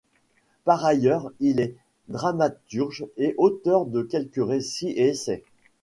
Par ailleurs, il est dramaturge et auteur de quelques récits et essais.